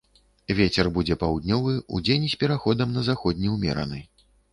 Вецер будзе паўднёвы, удзень з пераходам на заходні ўмераны.